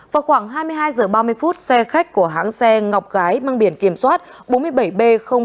vào khoảng hai mươi hai h ba mươi phút xe khách của hãng xe ngọc gái mang biển kiểm soát bốn mươi bảy b năm trăm hai mươi chín